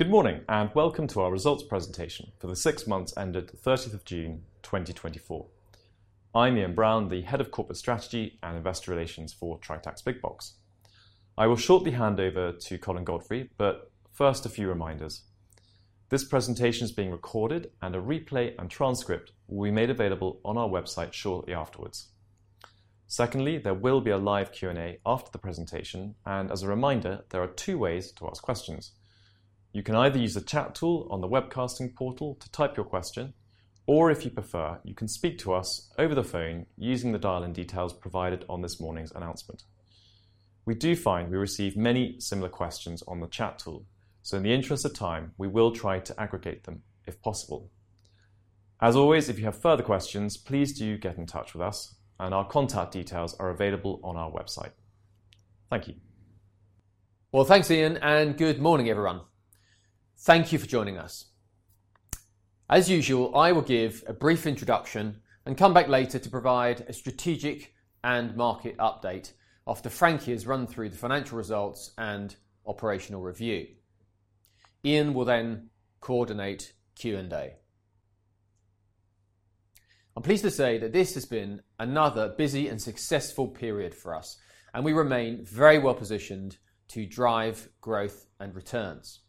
Good morning and welcome to our results presentation for the six months ended June 30, 2024. I'm Ian Brown, the Head of Corporate Strategy and Investor Relations for Tritax Big Box. I will shortly hand over to Colin Godfrey, but first, a few reminders. This presentation is being recorded, and a replay and transcript will be made available on our website shortly afterwards. Secondly, there will be a live Q&A after the presentation, and as a reminder, there are two ways to ask questions. You can either use the chat tool on the webcasting portal to type your question, or if you prefer, you can speak to us over the phone using the dial-in details provided on this morning's announcement. We do find we receive many similar questions on the chat tool, so in the interest of time, we will try to aggregate them if possible. As always, if you have further questions, please do get in touch with us, and our contact details are available on our website. Thank you. Well, thanks, Ian, and good morning, everyone. Thank you for joining us. As usual, I will give a brief introduction and come back later to provide a strategic and market update after Frankie has run through the financial results and operational review. Ian will then coordinate Q&A. I'm pleased to say that this has been another busy and successful period for us, and we remain very well positioned to drive growth and returns.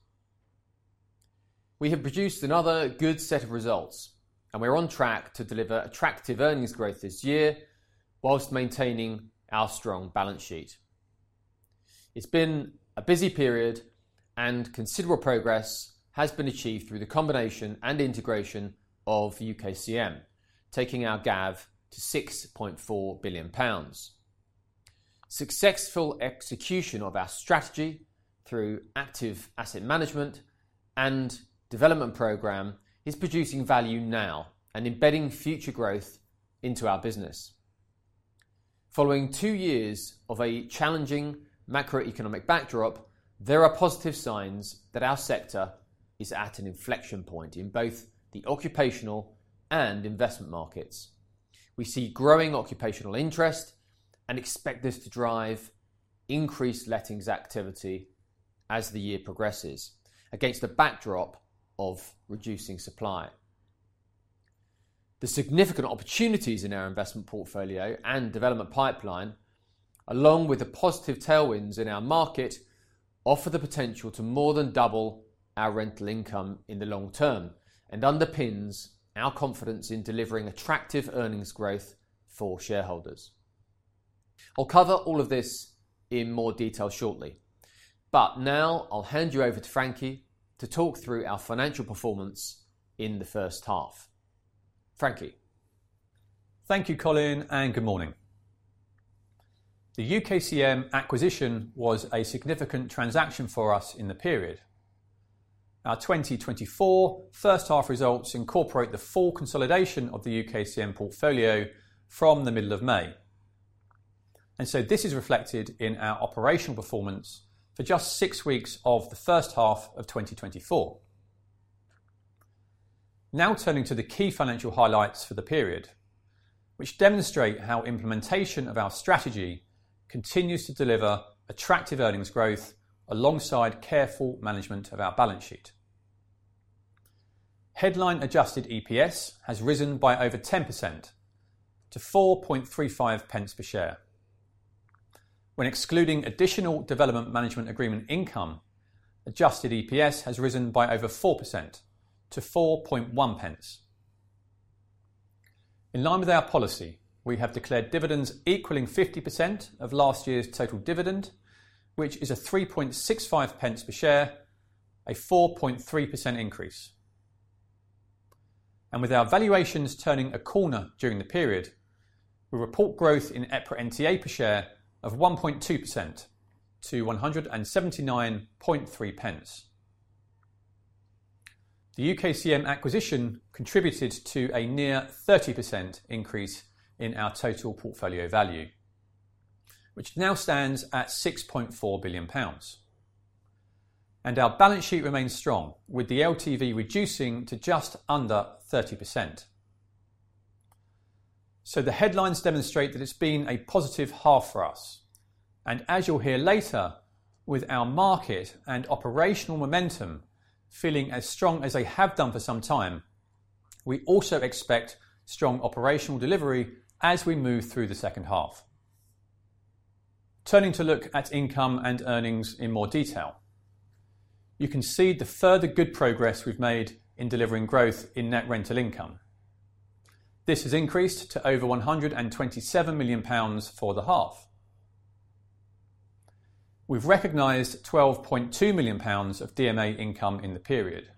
We have produced another good set of results, and we're on track to deliver attractive earnings growth this year whilst maintaining our strong balance sheet. It's been a busy period, and considerable progress has been achieved through the combination and integration of UKCM, taking our GAV to 6.4 billion pounds. Successful execution of our strategy through active asset management and development program is producing value now and embedding future growth into our business. Following two years of a challenging macroeconomic backdrop, there are positive signs that our sector is at an inflection point in both the occupational and investment markets. We see growing occupational interest and expect this to drive increased lettings activity as the year progresses against a backdrop of reducing supply. The significant opportunities in our investment portfolio and development pipeline, along with the positive tailwinds in our market, offer the potential to more than double our rental income in the long term and underpins our confidence in delivering attractive earnings growth for shareholders. I'll cover all of this in more detail shortly, but now I'll hand you over to Frankie to talk through our financial performance in the first half. Frankie. Thank you, Colin, and good morning. The UKCM acquisition was a significant transaction for us in the period. Our 2024 first half results incorporate the full consolidation of the UKCM portfolio from the middle of May, and so this is reflected in our operational performance for just six weeks of the first half of 2024. Now turning to the key financial highlights for the period, which demonstrate how implementation of our strategy continues to deliver attractive earnings growth alongside careful management of our balance sheet. Headline adjusted EPS has risen by over 10% to 4.35 per share. When excluding additional development management agreement income, adjusted EPS has risen by over 4% to 4.1. In line with our policy, we have declared dividends equaling 50% of last year's total dividend, which is a 3.65 per share, a 4.3% increase. With our valuations turning a corner during the period, we report growth in EPRA NTA per share of 1.2% to 179.3. The UKCM acquisition contributed to a near 30% increase in our total portfolio value, which now stands at £6.4 billion, and our balance sheet remains strong, with the LTV reducing to just under 30%. The headlines demonstrate that it's been a positive half for us, and as you'll hear later, with our market and operational momentum feeling as strong as they have done for some time, we also expect strong operational delivery as we move through the second half. Turning to look at income and earnings in more detail, you can see the further good progress we've made in delivering growth in net rental income. This has increased to over 127 million pounds for the half. We've recognized 12.2 million pounds of DMA income in the period.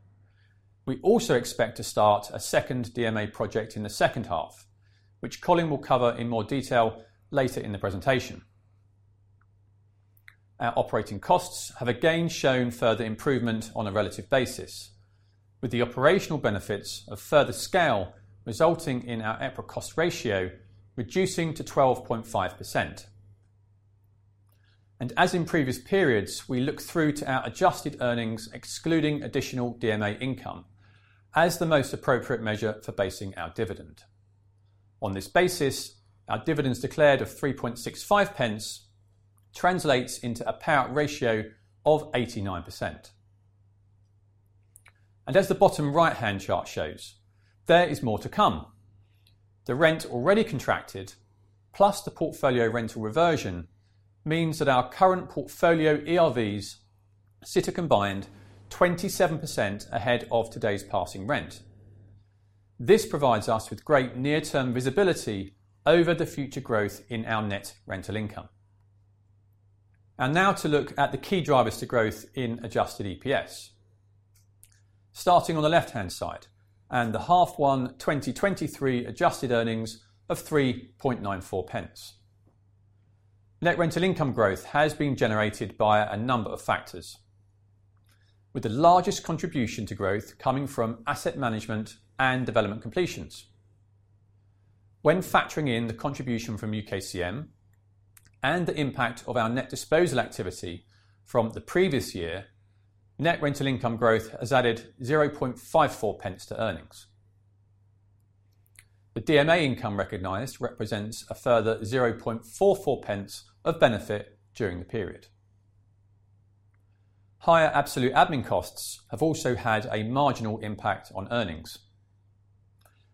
We also expect to start a second DMA project in the second half, which Colin will cover in more detail later in the presentation. Our operating costs have again shown further improvement on a relative basis, with the operational benefits of further scale resulting in our EPRA cost ratio reducing to 12.5%. As in previous periods, we look through to our adjusted earnings excluding additional DMA income as the most appropriate measure for basing our dividend. On this basis, our dividends declared of £3.65 translates into a payout ratio of 89%. As the bottom right-hand chart shows, there is more to come. The rent already contracted, plus the portfolio rental reversion, means that our current portfolio ERVs sit a combined 27% ahead of today's passing rent. This provides us with great near-term visibility over the future growth in our net rental income. Now to look at the key drivers to growth in adjusted EPS. Starting on the left-hand side. H1 2023 adjusted earnings of 3.94. Net rental income growth has been generated by a number of factors, with the largest contribution to growth coming from asset management and development completions. When factoring in the contribution from UKCM and the impact of our net disposal activity from the previous year, net rental income growth has added 0.54 to earnings. The DMA income recognized represents a further 0.44 of benefit during the period. Higher absolute admin costs have also had a marginal impact on earnings.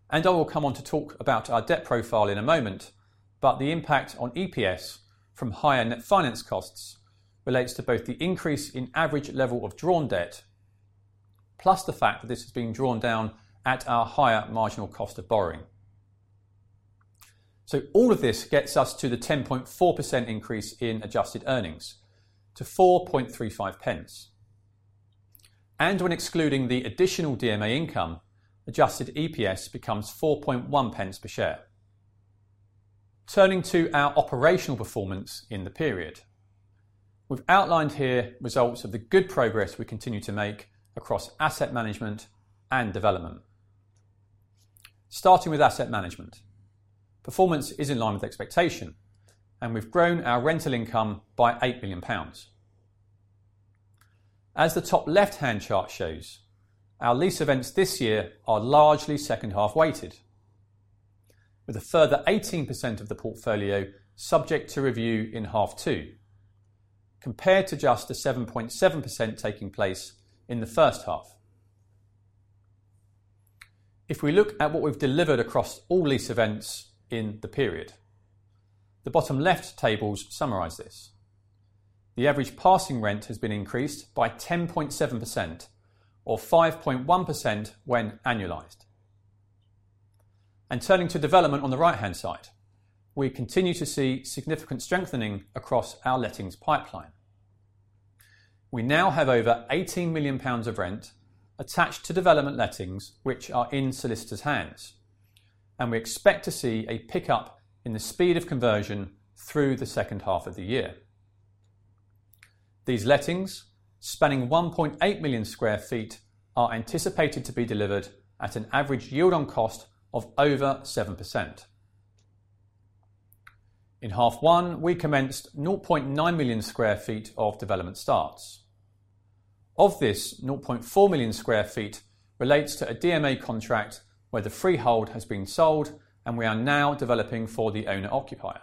I will come on to talk about our debt profile in a moment, but the impact on EPS from higher net finance costs relates to both the increase in average level of drawn debt, plus the fact that this has been drawn down at our higher marginal cost of borrowing. All of this gets us to the 10.4% increase in adjusted earnings to 4.35. When excluding the additional DMA income, adjusted EPS becomes £4.1 per share. Turning to our operational performance in the period, we've outlined here results of the good progress we continue to make across asset management and development. Starting with asset management, performance is in line with expectation, and we've grown our rental income by 8 million pounds. As the top left-hand chart shows, our lease events this year are largely second half weighted, with a further 18% of the portfolio subject to review in half two, compared to just the 7.7% taking place in the first half. If we look at what we've delivered across all lease events in the period, the bottom left tables summarize this. The average passing rent has been increased by 10.7%, or 5.1% when annualized. And turning to development on the right-hand side, we continue to see significant strengthening across our lettings pipeline. We now have over 18 million pounds of rent attached to development lettings, which are in solicitors' hands, and we expect to see a pickup in the speed of conversion through the second half of the year. These lettings, spanning 1.8 million sq ft, are anticipated to be delivered at an average yield on cost of over 7%. In half one, we commenced 0.9 million sq ft of development starts. Of this, 0.4 million sq ft relates to a DMA contract where the freehold has been sold, and we are now developing for the owner-occupier.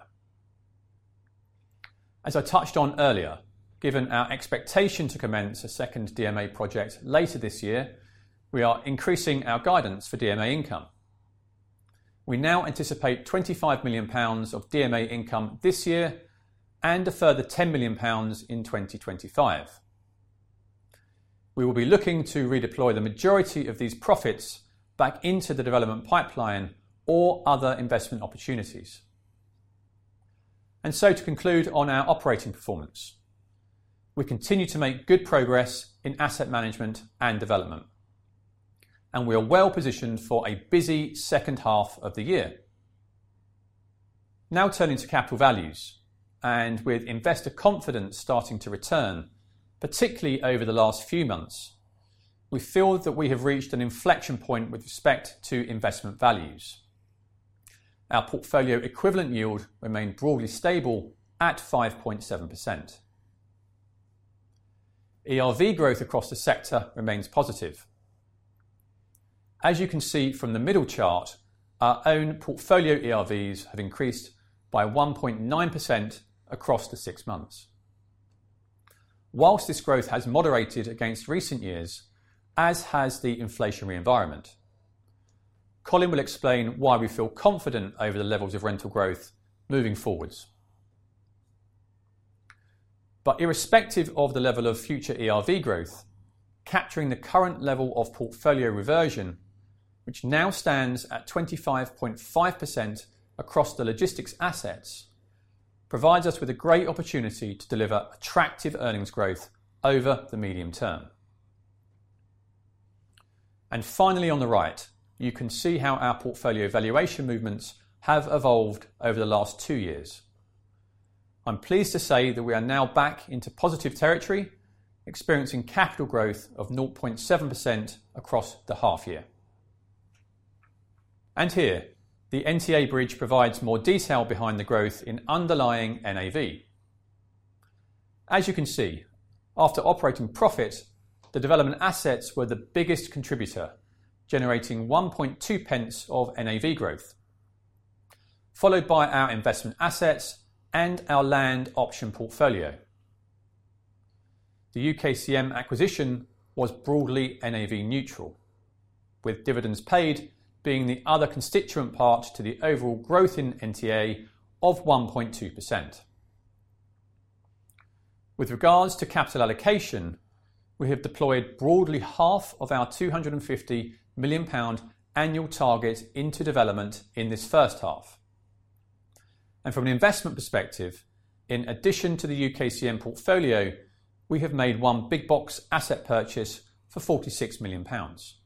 As I touched on earlier, given our expectation to commence a second DMA project later this year, we are increasing our guidance for DMA income. We now anticipate 25 million pounds of DMA income this year and a further 10 million pounds in 2025. We will be looking to redeploy the majority of these profits back into the development pipeline or other investment opportunities. And so to conclude on our operating performance, we continue to make good progress in asset management and development, and we are well positioned for a busy second half of the year. Now turning to capital values, and with investor confidence starting to return, particularly over the last few months, we feel that we have reached an inflection point with respect to investment values. Our portfolio equivalent yield remained broadly stable at 5.7%. ERV growth across the sector remains positive. As you can see from the middle chart, our own portfolio ERVs have increased by 1.9% across the six months. While this growth has moderated against recent years, as has the inflationary environment. Colin will explain why we feel confident over the levels of rental growth moving forward. But irrespective of the level of future ERV growth, capturing the current level of portfolio reversion, which now stands at 25.5% across the logistics assets, provides us with a great opportunity to deliver attractive earnings growth over the medium term. Finally, on the right, you can see how our portfolio valuation movements have evolved over the last two years. I'm pleased to say that we are now back into positive territory, experiencing capital growth of 0.7% across the half year. Here, the NTA Bridge provides more detail behind the growth in underlying NAV. As you can see, after operating profit, the development assets were the biggest contributor, generating 1.20 of NAV growth, followed by our investment assets and our land option portfolio. The UKCM acquisition was broadly NAV neutral, with dividends paid being the other constituent part to the overall growth in NTA of 1.2%. With regards to capital allocation, we have deployed broadly GBP 125 million of our 250 million pound annual target into development in this first half. From an investment perspective, in addition to the UKCM portfolio, we have made one big box asset purchase for 46 million pounds.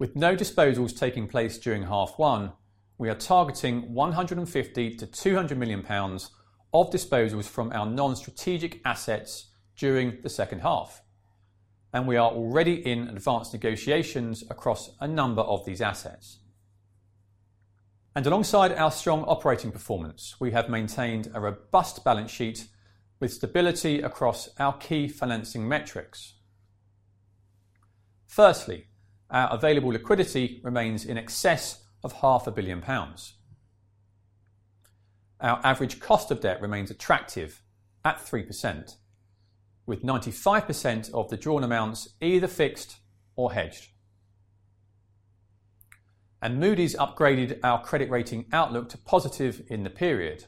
With no disposals taking place during half one, we are targeting 150 million-200 million pounds of disposals from our non-strategic assets during the second half, and we are already in advanced negotiations across a number of these assets. Alongside our strong operating performance, we have maintained a robust balance sheet with stability across our key financing metrics. Firstly, our available liquidity remains in excess of 500 million pounds. Our average cost of debt remains attractive at 3%, with 95% of the drawn amounts either fixed or hedged. Moody's upgraded our credit rating outlook to positive in the period,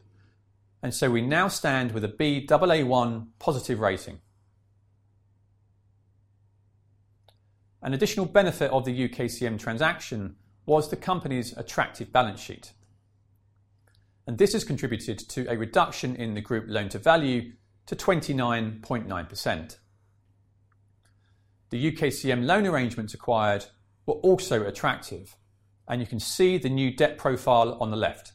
and so we now stand with a Baa1 positive rating. An additional benefit of the UKCM transaction was the company's attractive balance sheet, and this has contributed to a reduction in the group loan to value to 29.9%. The UKCM loan arrangements acquired were also attractive, and you can see the new debt profile on the left.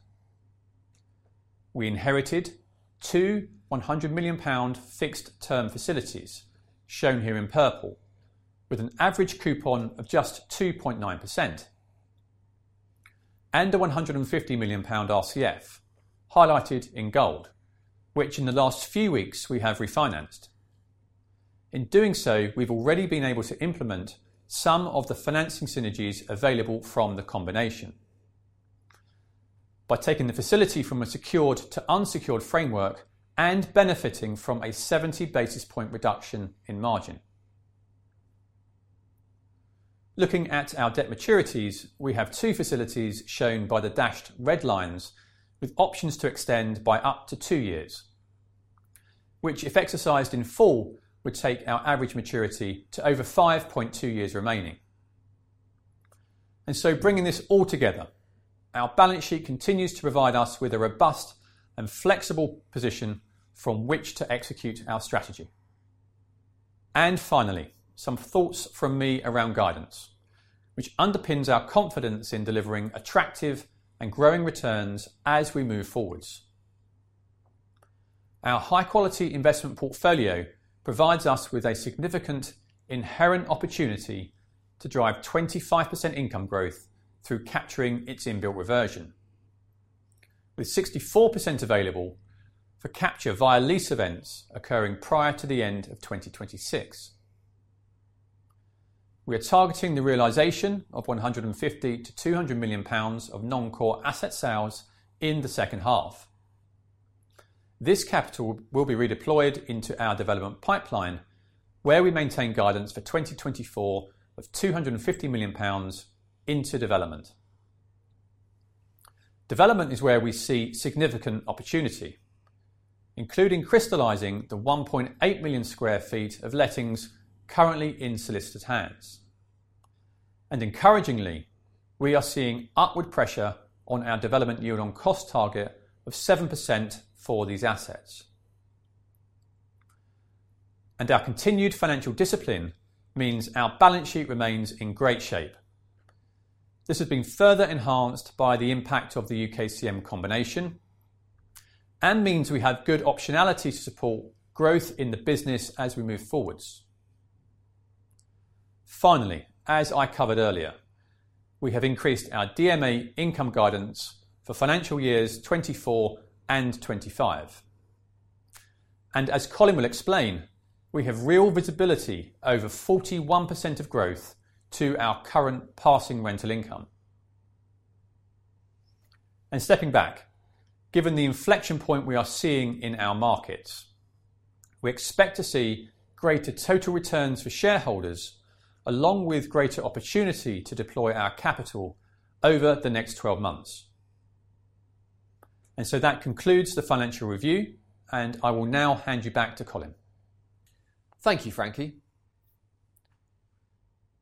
We inherited two 100 million pound fixed term facilities, shown here in purple, with an average coupon of just 2.9%, and a 150 million pound RCF highlighted in gold, which in the last few weeks we have refinanced. In doing so, we've already been able to implement some of the financing synergies available from the combination, by taking the facility from a secured to unsecured framework and benefiting from a 70 basis point reduction in margin. Looking at our debt maturities, we have 2 facilities shown by the dashed red lines, with options to extend by up to 2 years, which, if exercised in full, would take our average maturity to over 5.2 years remaining. Bringing this all together, our balance sheet continues to provide us with a robust and flexible position from which to execute our strategy. Finally, some thoughts from me around guidance, which underpins our confidence in delivering attractive and growing returns as we move forward. Our high-quality investment portfolio provides us with a significant inherent opportunity to drive 25% income growth through capturing its inbuilt reversion, with 64% available for capture via lease events occurring prior to the end of 2026. We are targeting the realization of 150 million-200 million pounds of non-core asset sales in the second half. This capital will be redeployed into our development pipeline, where we maintain guidance for 2024 of 250 million pounds into development. Development is where we see significant opportunity, including crystallizing the 1.8 million sq ft of lettings currently in solicitors' hands. Encouragingly, we are seeing upward pressure on our development yield on cost target of 7% for these assets. Our continued financial discipline means our balance sheet remains in great shape. This has been further enhanced by the impact of the UKCM combination and means we have good optionality to support growth in the business as we move forwards. Finally, as I covered earlier, we have increased our DMA income guidance for financial years 2024 and 2025. As Colin will explain, we have real visibility over 41% of growth to our current passing rental income. Stepping back, given the inflection point we are seeing in our markets, we expect to see greater total returns for shareholders, along with greater opportunity to deploy our capital over the next 12 months. So that concludes the financial review, and I will now hand you back to Colin. Thank you, Frankie.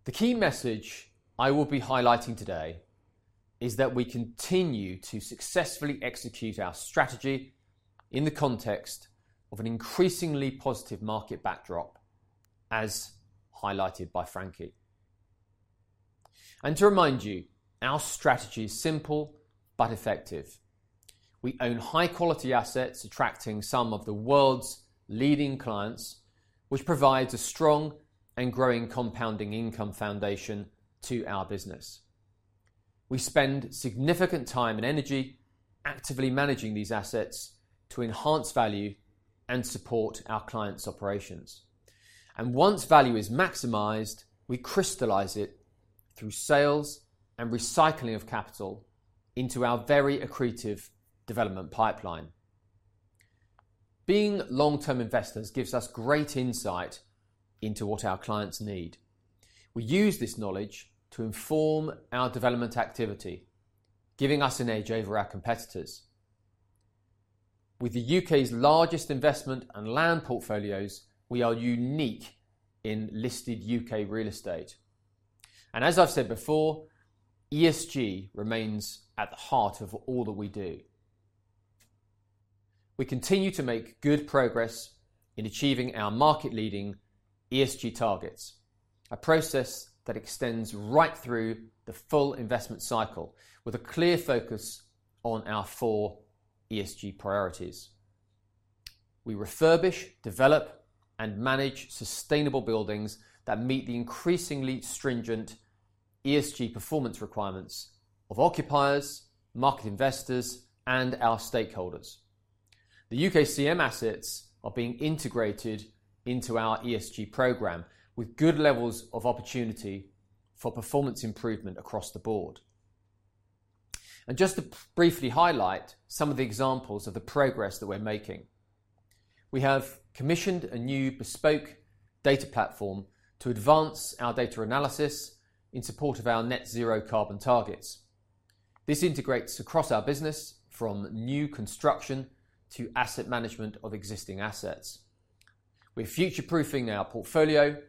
The key message I will be highlighting today is that we continue to successfully execute our strategy in the context of an increasingly positive market backdrop, as highlighted by Frankie. To remind you, our strategy is simple but effective. We own high-quality assets attracting some of the world's leading clients, which provides a strong and growing compounding income foundation to our business. We spend significant time and energy actively managing these assets to enhance value and support our clients' operations. Once value is maximized, we crystallize it through sales and recycling of capital into our very accretive development pipeline. Being long-term investors gives us great insight into what our clients need. We use this knowledge to inform our development activity, giving us an edge over our competitors. With the U.K.'s largest investment and land portfolios, we are unique in listed U.K. real estate. And as I've said before, ESG remains at the heart of all that we do. We continue to make good progress in achieving our market-leading ESG targets, a process that extends right through the full investment cycle, with a clear focus on our four ESG priorities. We refurbish, develop, and manage sustainable buildings that meet the increasingly stringent ESG performance requirements of occupiers, market investors, and our stakeholders. The UKCM assets are being integrated into our ESG program, with good levels of opportunity for performance improvement across the board. Just to briefly highlight some of the examples of the progress that we're making, we have commissioned a new bespoke data platform to advance our data analysis in support of our net zero carbon targets. This integrates across our business from new construction to asset management of existing assets. We're future-proofing our portfolio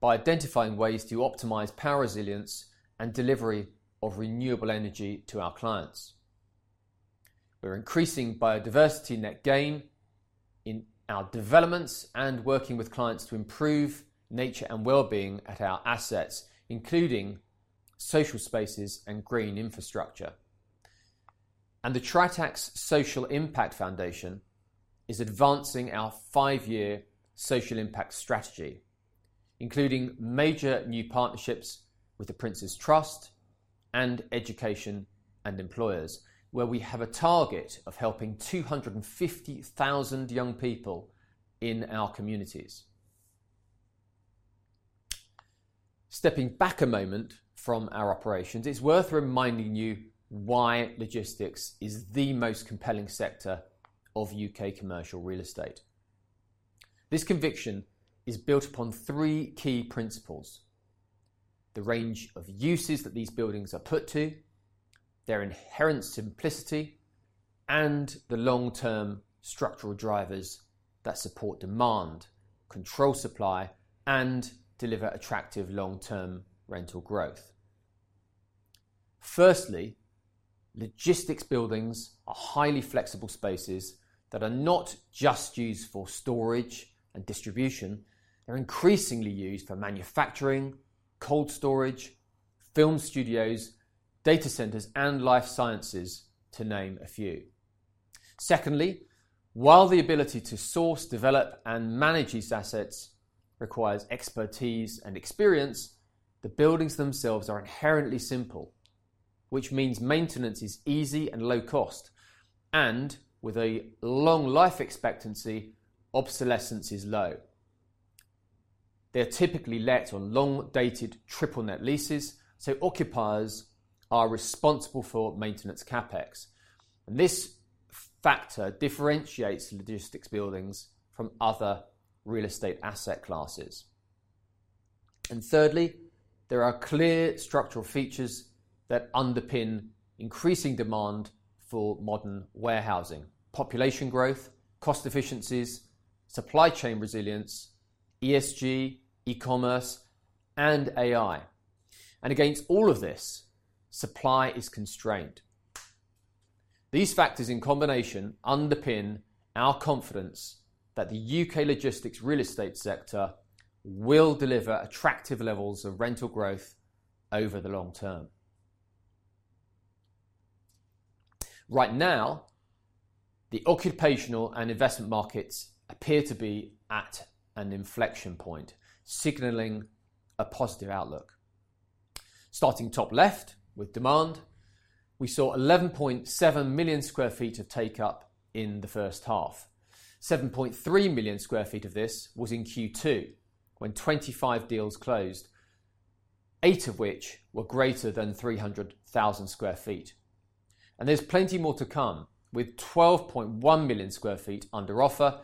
by identifying ways to optimize power resilience and delivery of renewable energy to our clients. We're increasing biodiversity net gain in our developments and working with clients to improve nature and well-being at our assets, including social spaces and green infrastructure. The Tritax Social Impact Foundation is advancing our five-year social impact strategy, including major new partnerships with The Prince's Trust and Education and Employers, where we have a target of helping 250,000 young people in our communities. Stepping back a moment from our operations, it's worth reminding you why logistics is the most compelling sector of U.K. commercial real estate. This conviction is built upon three key principles: the range of uses that these buildings are put to, their inherent simplicity, and the long-term structural drivers that support demand, control supply, and deliver attractive long-term rental growth. Firstly, logistics buildings are highly flexible spaces that are not just used for storage and distribution, they're increasingly used for manufacturing, cold storage, film studios, data centers, and life sciences, to name a few. Secondly, while the ability to source, develop, and manage these assets requires expertise and experience, the buildings themselves are inherently simple, which means maintenance is easy and low cost, and with a long life expectancy, obsolescence is low. They're typically let on long-dated triple-net leases, so occupiers are responsible for maintenance CapEx. This factor differentiates logistics buildings from other real estate asset classes. Thirdly, there are clear structural features that underpin increasing demand for modern warehousing: population growth, cost efficiencies, supply chain resilience, ESG, e-commerce, and AI. Against all of this, supply is constrained. These factors, in combination, underpin our confidence that the U.K. logistics real estate sector will deliver attractive levels of rental growth over the long term. Right now, the occupational and investment markets appear to be at an inflection point, signaling a positive outlook. Starting top left with demand, we saw 11.7 million sq ft of take-up in the first half. 7.3 million sq ft of this was in Q2, when 25 deals closed, eight of which were greater than 300,000 sq ft. There's plenty more to come, with 12.1 million sq ft under offer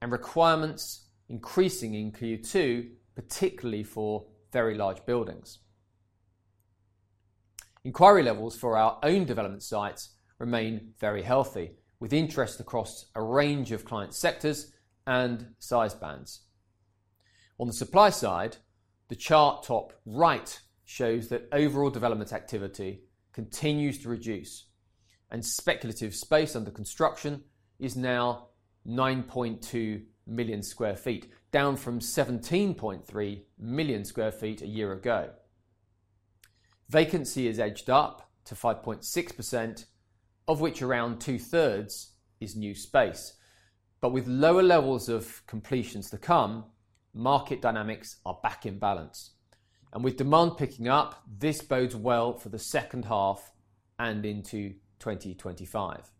and requirements increasing in Q2, particularly for very large buildings. Inquiry levels for our own development sites remain very healthy, with interest across a range of client sectors and size bands. On the supply side, the chart top right shows that overall development activity continues to reduce, and speculative space under construction is now 9.2 million sq ft, down from 17.3 million sq ft a year ago. Vacancy is edged up to 5.6%, of which around two-thirds is new space. But with lower levels of completions to come, market dynamics are back in balance. With demand picking up, this bodes well for the second half and into 2025.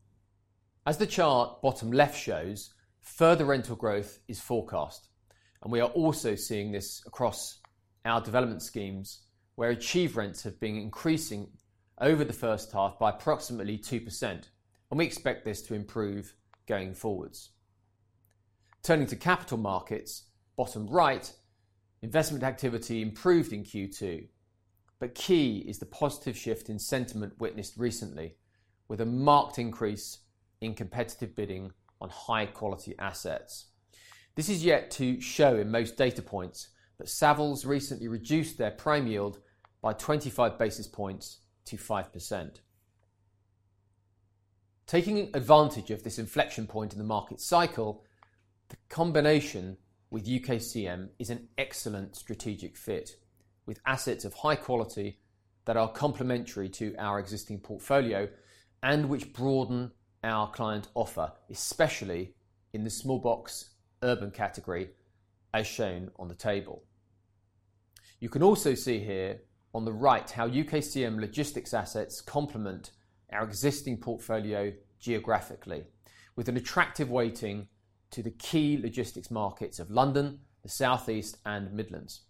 As the chart bottom left shows, further rental growth is forecast, and we are also seeing this across our development schemes, where achieved rents have been increasing over the first half by approximately 2%, and we expect this to improve going forwards. Turning to capital markets, bottom right, investment activity improved in Q2, but key is the positive shift in sentiment witnessed recently, with a marked increase in competitive bidding on high-quality assets. This is yet to show in most data points. That Savills recently reduced their prime yield by 25 basis points to 5%. Taking advantage of this inflection point in the market cycle, the combination with UKCM is an excellent strategic fit, with assets of high quality that are complementary to our existing portfolio and which broaden our client offer, especially in the small box urban category, as shown on the table. You can also see here on the right how UKCM logistics assets complement our existing portfolio geographically, with an attractive weighting to the key logistics markets of London, the Southeast, and Midlands.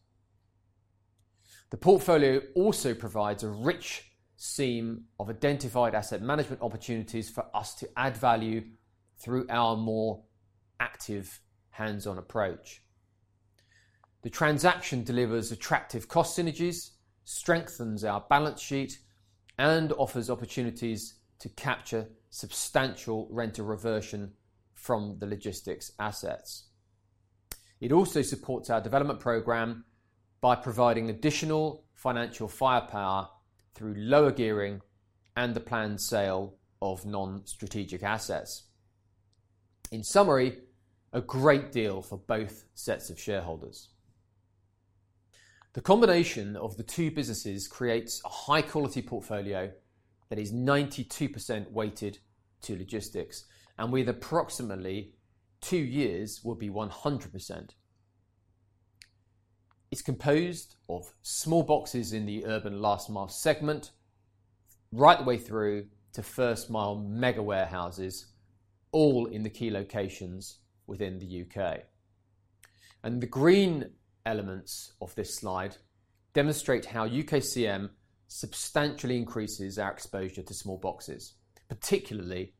The portfolio also provides a rich seam of identified asset management opportunities for us to add value through our more active hands-on approach. The transaction delivers attractive cost synergies, strengthens our balance sheet, and offers opportunities to capture substantial rental reversion from the logistics assets. It also supports our development program by providing additional financial firepower through lower gearing and the planned sale of non-strategic assets. In summary, a great deal for both sets of shareholders. The combination of the two businesses creates a high-quality portfolio that is 92% weighted to logistics, and with approximately 2 years will be 100%. It's composed of small boxes in the urban last-mile segment, right the way through to first-mile mega warehouses, all in the key locations within the U.K. The green elements of this slide demonstrate how UKCM substantially increases our exposure to small boxes, particularly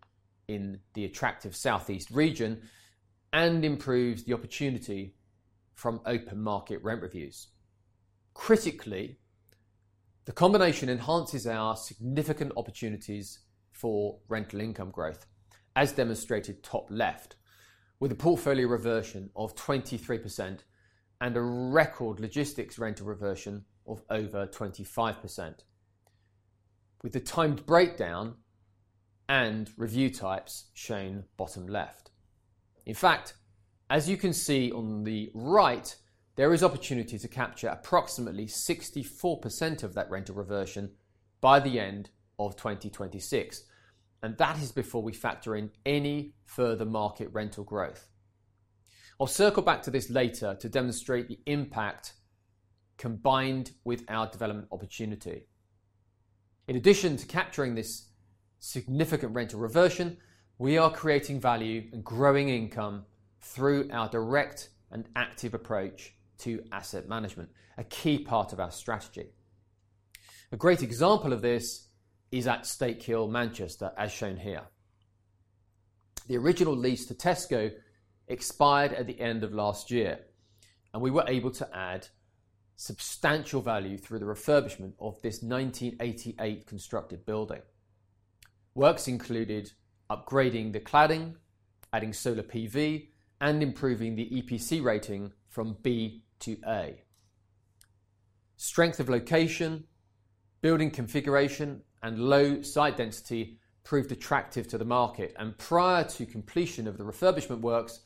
in the attractive Southeast region, and improves the opportunity from open market rent reviews. Critically, the combination enhances our significant opportunities for rental income growth, as demonstrated top left, with a portfolio reversion of 23% and a record logistics rental reversion of over 25%, with the timed breakdown and review types shown bottom left. In fact, as you can see on the right, there is opportunity to capture approximately 64% of that rental reversion by the end of 2026, and that is before we factor in any further market rental growth. I'll circle back to this later to demonstrate the impact combined with our development opportunity. In addition to capturing this significant rental reversion, we are creating value and growing income through our direct and active approach to asset management, a key part of our strategy. A great example of this is at Stakehill, Manchester, as shown here. The original lease to Tesco expired at the end of last year, and we were able to add substantial value through the refurbishment of this 1988 constructed building. Works included upgrading the cladding, adding solar PV, and improving the EPC rating from B to A. Strength of location, building configuration, and low site density proved attractive to the market, and prior to completion of the refurbishment works,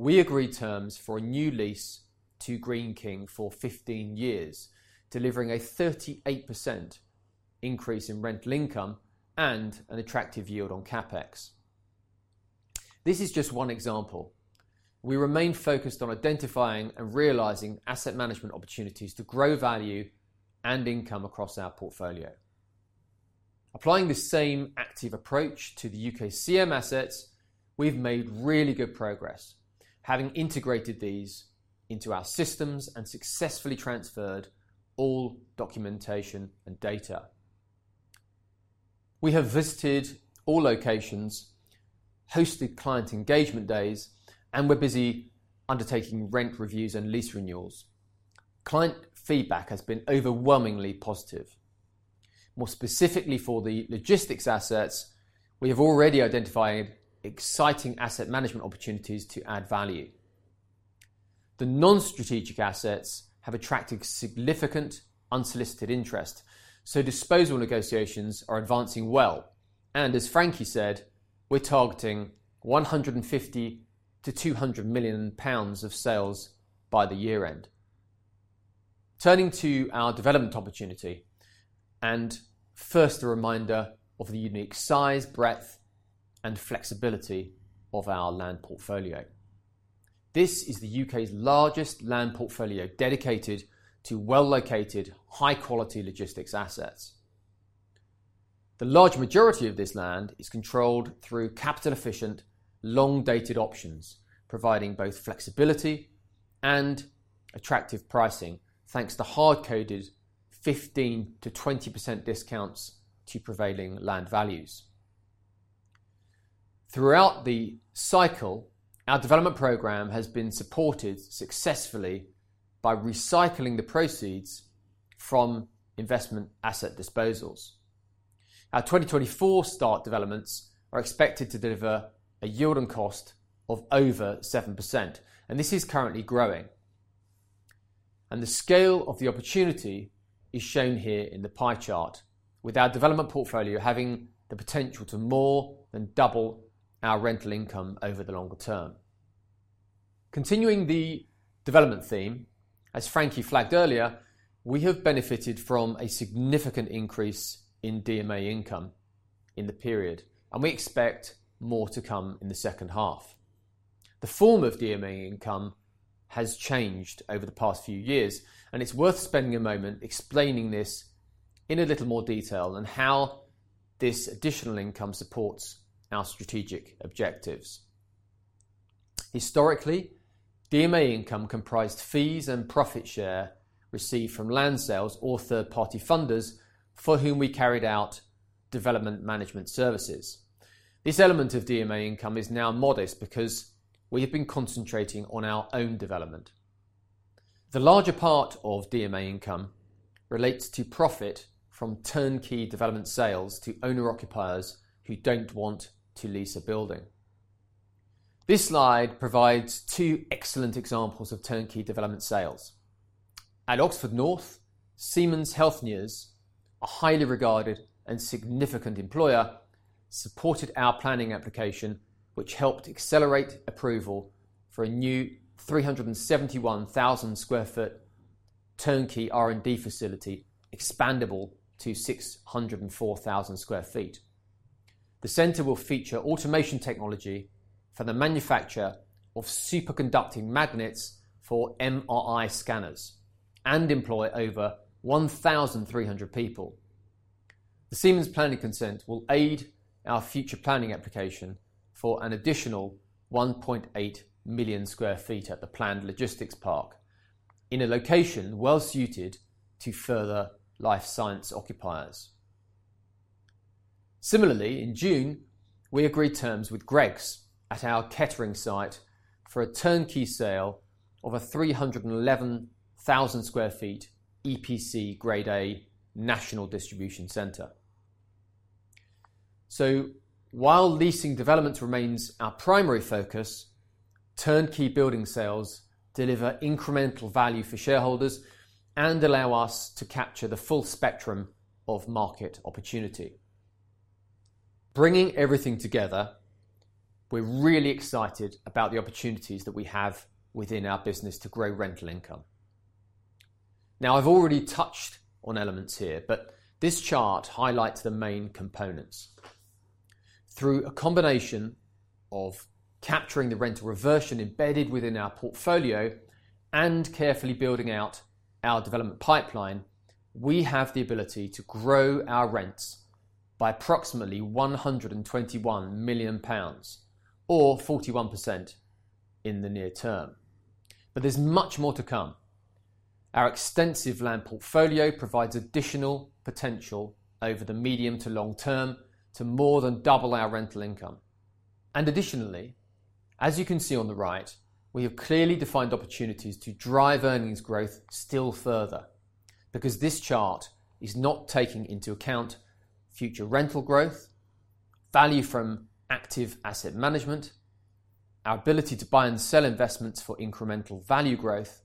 we agreed terms for a new lease to Greene King for 15 years, delivering a 38% increase in rental income and an attractive yield on CapEx. This is just one example. We remain focused on identifying and realizing asset management opportunities to grow value and income across our portfolio. Applying the same active approach to the UKCM assets, we've made really good progress, having integrated these into our systems and successfully transferred all documentation and data. We have visited all locations, hosted client engagement days, and we're busy undertaking rent reviews and lease renewals. Client feedback has been overwhelmingly positive. More specifically for the logistics assets, we have already identified exciting asset management opportunities to add value. The non-strategic assets have attracted significant unsolicited interest, so disposal negotiations are advancing well, and as Frankie said, we're targeting 150 million-200 million pounds of sales by the year end. Turning to our development opportunity, first a reminder of the unique size, breadth, and flexibility of our land portfolio. This is the U.K.'s largest land portfolio dedicated to well-located, high-quality logistics assets. The large majority of this land is controlled through capital-efficient, long-dated options, providing both flexibility and attractive pricing, thanks to hard-coded 15%-20% discounts to prevailing land values. Throughout the cycle, our development program has been supported successfully by recycling the proceeds from investment asset disposals. Our 2024 start developments are expected to deliver a yield on cost of over 7%, and this is currently growing. The scale of the opportunity is shown here in the pie chart, with our development portfolio having the potential to more than double our rental income over the longer term. Continuing the development theme, as Frankie flagged earlier, we have benefited from a significant increase in DMA income in the period, and we expect more to come in the second half. The form of DMA income has changed over the past few years, and it's worth spending a moment explaining this in a little more detail and how this additional income supports our strategic objectives. Historically, DMA income comprised fees and profit share received from land sales or third-party funders for whom we carried out development management services. This element of DMA income is now modest because we have been concentrating on our own development. The larger part of DMA income relates to profit from turnkey development sales to owner-occupiers who don't want to lease a building. This slide provides two excellent examples of turnkey development sales. At Oxford North, Siemens Healthineers, a highly regarded and significant employer, supported our planning application, which helped accelerate approval for a new 371,000 sq ft turnkey R&D facility, expandable to 604,000 sq ft. The center will feature automation technology for the manufacture of superconducting magnets for MRI scanners and employ over 1,300 people. The Siemens planning consent will aid our future planning application for an additional 1.8 million sq ft at the planned logistics park in a location well suited to further life science occupiers. Similarly, in June, we agreed terms with Greggs at our Kettering site for a turnkey sale of a 311,000 sq ft EPC Grade A National Distribution Center. So while leasing development remains our primary focus, turnkey building sales deliver incremental value for shareholders and allow us to capture the full spectrum of market opportunity. Bringing everything together, we're really excited about the opportunities that we have within our business to grow rental income. Now, I've already touched on elements here, but this chart highlights the main components. Through a combination of capturing the rental reversion embedded within our portfolio and carefully building out our development pipeline, we have the ability to grow our rents by approximately 121 million pounds, or 41% in the near term. But there's much more to come. Our extensive land portfolio provides additional potential over the medium to long term to more than double our rental income. Additionally, as you can see on the right, we have clearly defined opportunities to drive earnings growth still further, because this chart is not taking into account future rental growth, value from active asset management, our ability to buy and sell investments for incremental value growth,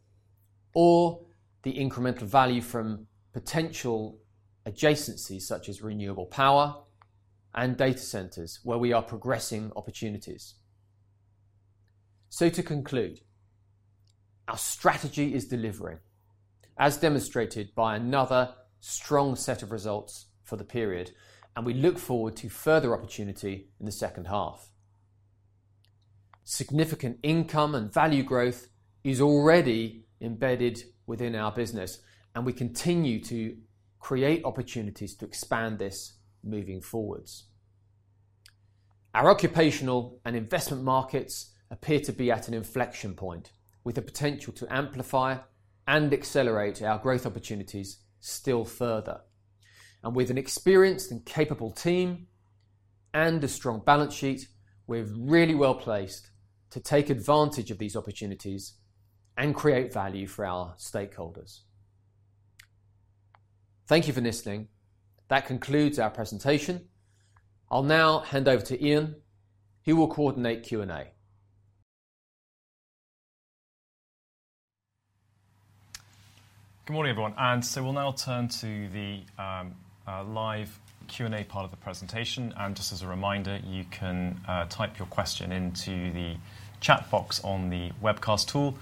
or the incremental value from potential adjacencies such as renewable power and data centers, where we are progressing opportunities. To conclude, our strategy is delivering, as demonstrated by another strong set of results for the period, and we look forward to further opportunity in the second half. Significant income and value growth is already embedded within our business, and we continue to create opportunities to expand this moving forward. Our occupational and investment markets appear to be at an inflection point, with the potential to amplify and accelerate our growth opportunities still further. With an experienced and capable team and a strong balance sheet, we're really well placed to take advantage of these opportunities and create value for our stakeholders. Thank you for listening. That concludes our presentation. I'll now hand over to Ian, who will coordinate Q&A. Good morning, everyone. So we'll now turn to the live Q&A part of the presentation. And just as a reminder, you can type your question into the chat box on the webcast tool,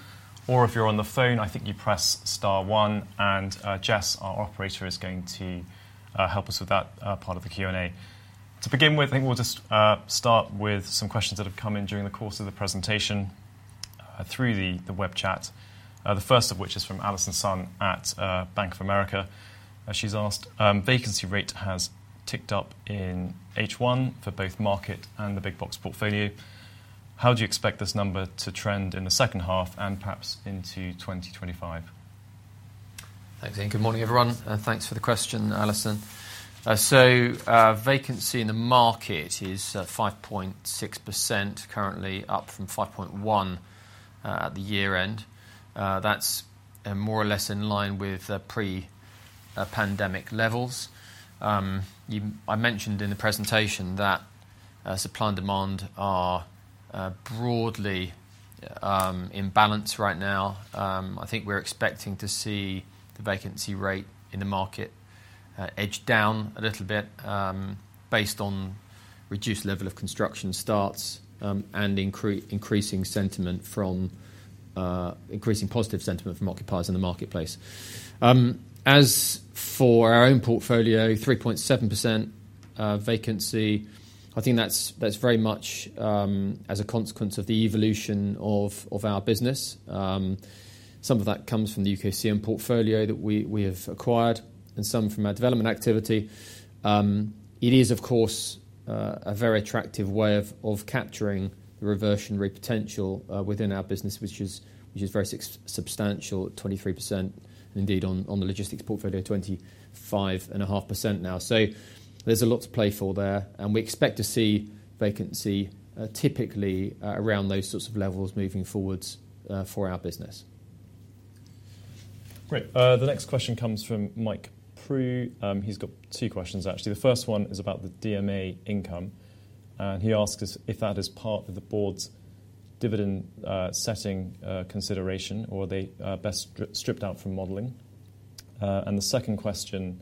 or if you're on the phone, I think you press star one, and Jess, our operator, is going to help us with that part of the Q&A. To begin with, I think we'll just start with some questions that have come in during the course of the presentation, through the web chat. The first of which is from Allison Sun at Bank of America. She's asked, vacancy rate has ticked up in H1 for both market and the big box portfolio. How do you expect this number to trend in the second half and perhaps into 2025? Thanks. Good morning, everyone. Thanks for the question, Allison. So, vacancy in the market is 5.6%, currently up from 5.1% at the year end. That's more or less in line with pre-pandemic levels. You, I mentioned in the presentation that supply and demand are broadly in balance right now. I think we're expecting to see the vacancy rate in the market edge down a little bit, based on reduced level of construction starts, and increasing sentiment from increasing positive sentiment from occupiers in the marketplace. As for our own portfolio, 3.7% vacancy, I think that's very much as a consequence of the evolution of our business. Some of that comes from the UKCM portfolio that we, we have acquired, and some from our development activity. It is, of course, a very attractive way of, of capturing the reversion rate potential within our business, which is, which is very substantial, 23%, and indeed on, on the logistics portfolio, 25.5% now. So there's a lot to play for there, and we expect to see vacancy, typically, around those sorts of levels moving forward, for our business. Great. The next question comes from Mike Prew. He's got two questions, actually. The first one is about the DMA income, and he asks us if that is part of the board's dividend-setting consideration, or are they best stripped out from modeling. And the second question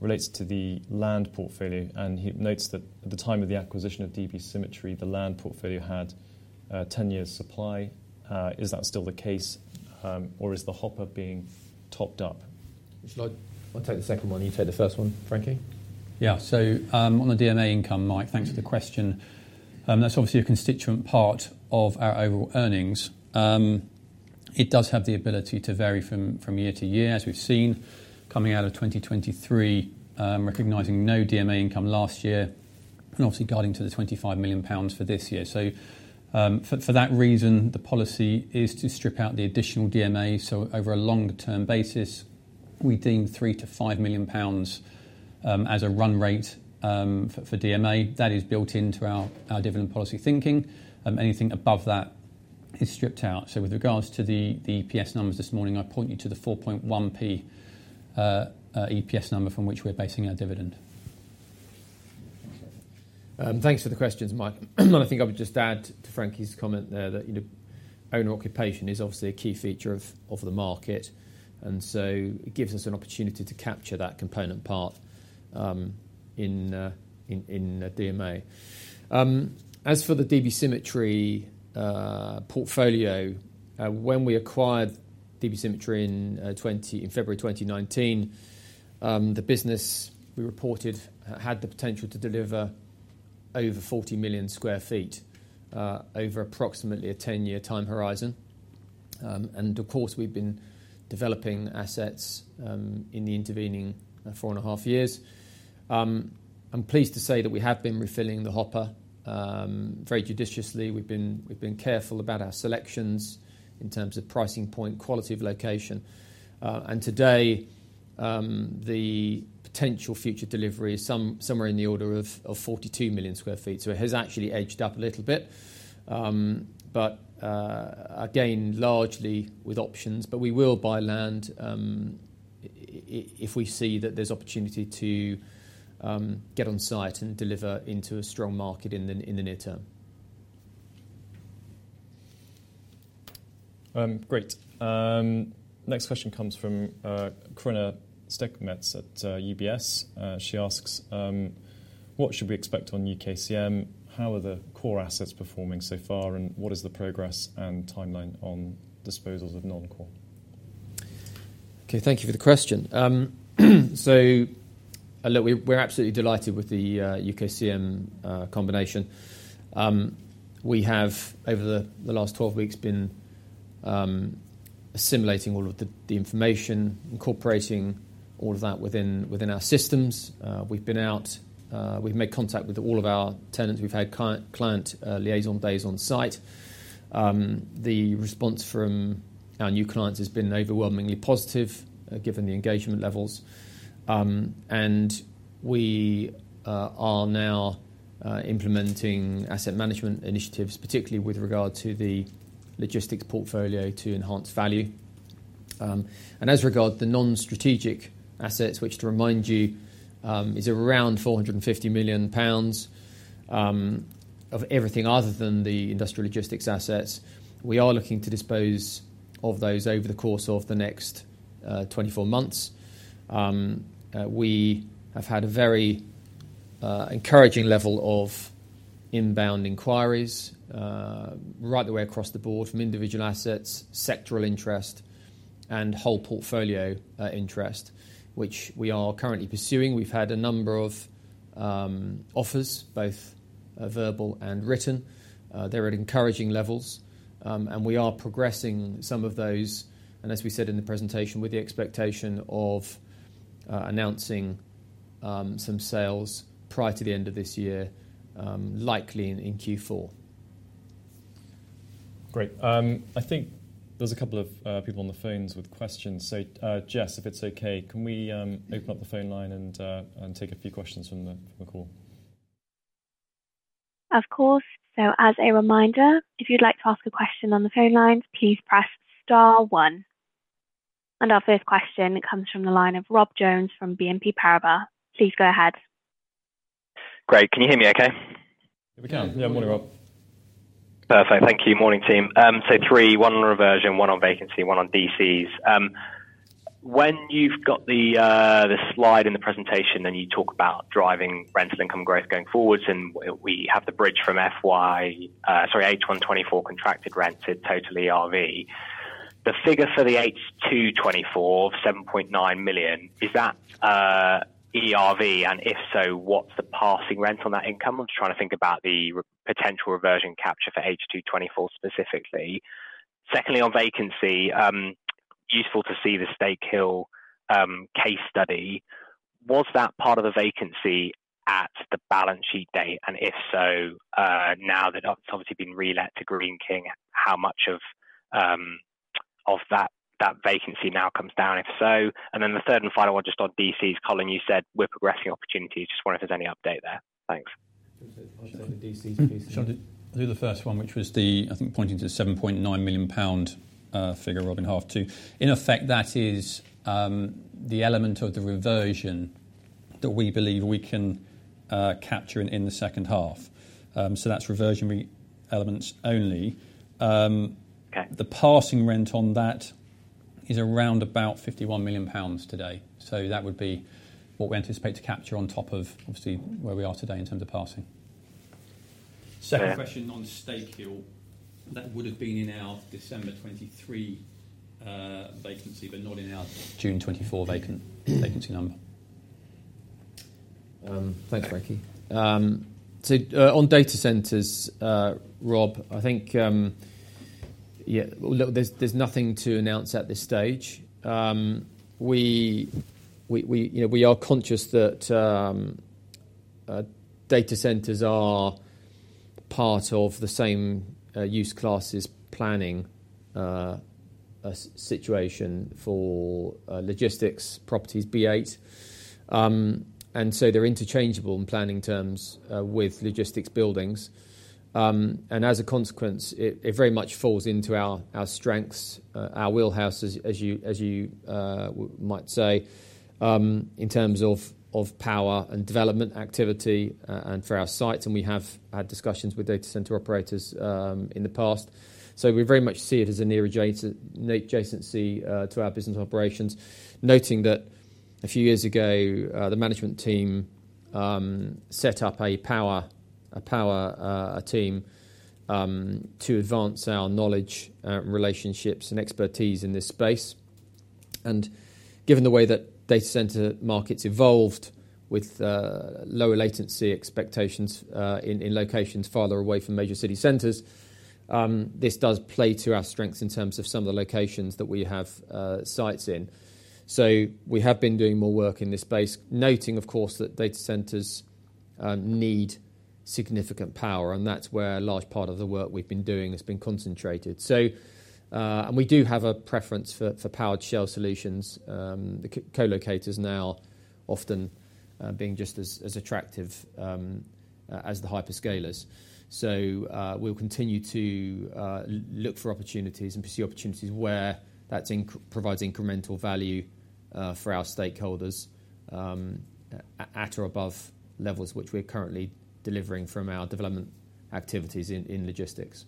relates to the land portfolio, and he notes that at the time of the acquisition of DB Symmetry, the land portfolio had 10 years' supply. Is that still the case, or is the hopper being topped up? Shall I take the second one? You take the first one, Frankie? Yeah, so, on the DMA income, Mike, thanks for the question. That's obviously a constituent part of our overall earnings. It does have the ability to vary from, from year to year, as we've seen, coming out of 2023, recognizing no DMA income last year, and obviously guiding to the 25 million pounds for this year. So, for, for that reason, the policy is to strip out the additional DMA. So over a longer term basis, we deem 3 million-5 million pounds, as a run rate, for, for DMA that is built into our, our dividend policy thinking. Anything above that is stripped out. So with regards to the EPS numbers this morning, I point you to the 4.1P EPS number from which we're basing our dividend. Thanks for the questions, Mike. And I think I would just add to Frankie's comment there that, you know, owner-occupation is obviously a key feature of the market, and so it gives us an opportunity to capture that component part, in DMA. As for the DB Symmetry portfolio, when we acquired DB Symmetry in February 2019, the business we reported had the potential to deliver over 40 million sq ft over approximately a 10-year time horizon. And of course, we've been developing assets in the intervening four and a half years. I'm pleased to say that we have been refilling the hopper, very judiciously. We've been careful about our selections in terms of pricing point, quality of location. Today, the potential future delivery is somewhere in the order of 42 million sq ft. So it has actually edged up a little bit. But, again, largely with options, but we will buy land, if we see that there's opportunity to get on site and deliver into a strong market in the near term. Great. Next question comes from Krina Shah at UBS. She asks, what should we expect on UKCM? How are the core assets performing so far, and what is the progress and timeline on disposals of non-core? Okay, thank you for the question. So, look, we're absolutely delighted with the UKCM combination. We have, over the last 12 weeks, been assimilating all of the information, incorporating all of that within our systems. We've been out, we've made contact with all of our tenants. We've had client, client, liaison days on site. The response from our new clients has been overwhelmingly positive, given the engagement levels. We are now implementing asset management initiatives, particularly with regard to the logistics portfolio to enhance value. As regards the non-strategic assets, which, to remind you, is around £450 million of everything other than the industrial logistics assets, we are looking to dispose of those over the course of the next 24 months. We have had a very encouraging level of inbound inquiries, right the way across the board from individual assets, sectoral interest, and whole portfolio interest, which we are currently pursuing. We've had a number of offers, both verbal and written. They're at encouraging levels. We are progressing some of those, and as we said in the presentation, with the expectation of announcing some sales prior to the end of this year, likely in Q4. Great. I think there's a couple of people on the phones with questions. So, Jess, if it's okay, can we open up the phone line and take a few questions from the call? Of course. So, as a reminder, if you'd like to ask a question on the phone line, please press star one. And our first question comes from the line of Rob Jones from BNP Paribas. Please go ahead. Great. Can you hear me okay? Here we go. Yeah, morning, Rob. Perfect. Thank you. Morning, team. So three, one on reversion, one on vacancy, one on DCs. When you've got the slide in the presentation and you talk about driving rental income growth going forward and we have the bridge from FY, sorry, H1 2024 contracted rent to total ERV, the figure for the H2 2024 of 7.9 million, is that ERV? And if so, what's the passing rent on that income? I'm just trying to think about the potential reversion capture for H2 2024 specifically. Secondly, on vacancy, useful to see the Stakehill case study. Was that part of the vacancy at the balance sheet date? And if so, now that it's obviously been relet to Greene King, how much of that vacancy now comes down? If so, and then the third and final one just on DCs, Colin, you said we're progressing opportunities. Just wonder if there's any update there. Thanks. DCs, please. I'll do the first one, which was the, I think, pointing to the 7.9 million pound figure, Rob and also. In effect, that is the element of the reversion that we believe we can capture in the second half. So that's reversion elements only. Okay, the passing rent on that is around about 51 million pounds today. So that would be what we anticipate to capture on top of, obviously, where we are today in terms of passing. Second question on Stakehill, that would have been in our December 2023 vacancy, but not in our June 2024 vacancy number. Thanks, Frankie. So, on data centers, Rob, I think, yeah, look, there's nothing to announce at this stage. We you know, we are conscious that data centers are part of the same use classes planning situation for logistics properties B8. And so they're interchangeable in planning terms with logistics buildings. And as a consequence, it very much falls into our strengths, our wheelhouse, as you might say, in terms of power and development activity, and for our site. And we have had discussions with data center operators in the past. So we very much see it as a near adjacent adjacency to our business operations, noting that a few years ago, the management team set up a power team to advance our knowledge, relationships and expertise in this space. And given the way that data center markets evolved with lower latency expectations in locations farther away from major city centers, this does play to our strengths in terms of some of the locations that we have sites in. So we have been doing more work in this space, noting, of course, that data centers need significant power, and that's where a large part of the work we've been doing has been concentrated. So, and we do have a preference for powered shell solutions, the co-locators now often being just as attractive as the hyperscalers. So, we'll continue to look for opportunities and pursue opportunities where that's in provides incremental value for our stakeholders, at or above levels which we're currently delivering from our development activities in logistics.